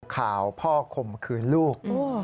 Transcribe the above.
ข่าวพ่อข่มขืนลูก